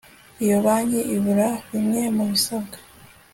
iyo banki ibura bimwe mu bisabwa